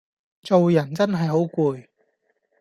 做人真係好攰